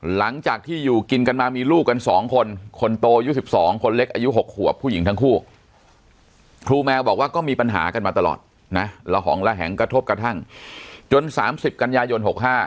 หลังจากที่อยู่กินกันมามีลูกกัน๒คนคนโตอายุ๑๒คนเล็กอายุ๖ขวบผู้หญิงทั้งคู่ครูแมวบอกว่าก็มีปัญหากันมาตลอดนะละหองระแหงกระทบกระทั่งจน๓๐กันยายน๖๕